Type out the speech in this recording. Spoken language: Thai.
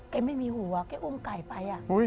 ไม่มีหัวแกอุ้มไก่ไป